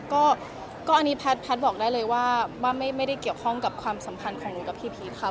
ก็อันนี้แพทย์บอกได้เลยว่าไม่ได้เกี่ยวข้องกับความสัมพันธ์ของหนูกับพี่พีชค่ะ